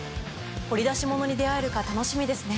掘り出し物に出合えるか楽しみですね。